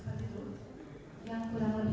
harimu dan benu